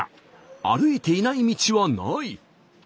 歩いていない道はない。